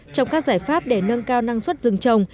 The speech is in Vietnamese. trong các giải pháp để nâng cao năng suất rừng trồng